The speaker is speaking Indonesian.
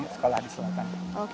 sekolah di selatan